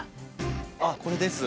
あっこれです。